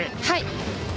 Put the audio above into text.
はい。